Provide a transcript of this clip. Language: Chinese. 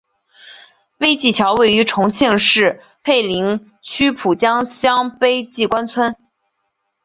碑记桥位于重庆市涪陵区蒲江乡碑记关村。